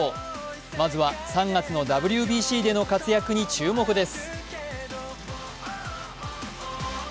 まずは３月のＷＢＣでの活躍に注目です。